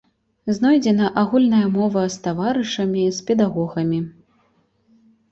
Знойдзена агульная мова з таварышамі, з педагогамі.